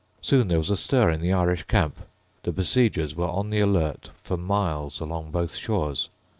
Soon there was a stir in the Irish camp. The besiegers were on the alert for miles along both shores.